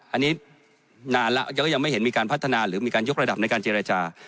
อันนี้นานแล้วก็ยังไม่เห็นมีการพัฒนาหรือมีการยกระดับในการเจรจา